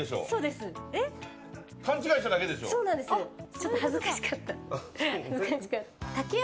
ちょっと恥ずかしかった。